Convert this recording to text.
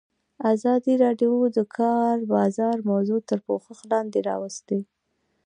ازادي راډیو د د کار بازار موضوع تر پوښښ لاندې راوستې.